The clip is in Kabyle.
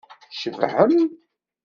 Tcebḥem.